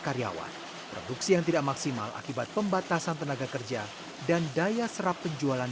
karyawan produksi yang tidak maksimal akibat pembatasan tenaga kerja dan daya serap penjualan